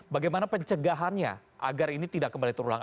bagaimana pencegahannya agar ini tidak kembali terulang